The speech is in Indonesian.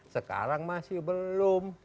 sekarang masih belum